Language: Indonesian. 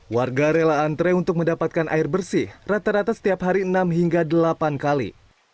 warga rela antre untuk mendapatkan air bersih rata rata setiap hari enam hingga delapan kali